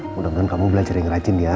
mudah mudahan kamu belajar yang rajin ya